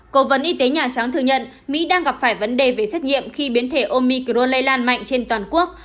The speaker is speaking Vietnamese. cổ vấn y tế nhà trắng thừa nhận mỹ đang gặp phải vấn đề về xét nghiệm khi biến thể omicron lây lan mạnh trên toàn quốc